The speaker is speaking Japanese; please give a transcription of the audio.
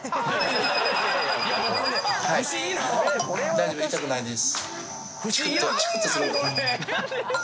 大丈夫痛くないです。